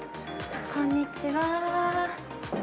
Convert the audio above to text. こんにちは。